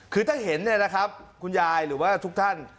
คือถ้าเห็นเนี่ยนะครับคุณยายหรือว่าทุกท่าน